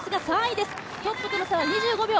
トップとの差は２５秒。